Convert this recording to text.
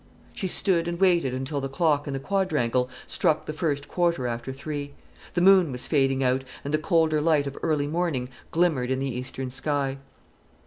She stood and waited until the clock in the quadrangle struck the first quarter after three: the moon was fading out, and the colder light of early morning glimmered in the eastern sky.